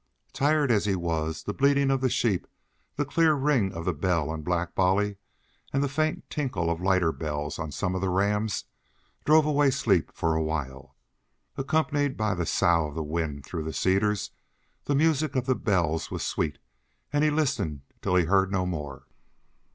Tired as he was, the bleating of the sheep, the clear ring of the bell on Black Bolly, and the faint tinkle of lighter bells on some of the rams, drove away sleep for a while. Accompanied by the sough of the wind through the cedars the music of the bells was sweet, and he listened till he heard no more.